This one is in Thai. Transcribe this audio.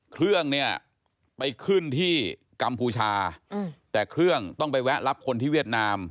เครื่องเนี่ยไปขึ้นที่กัมพูชาแต่เครื่องต้องไปแวะรับคนที่เวียดนาม